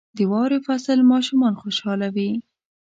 • د واورې فصل ماشومان خوشحالوي.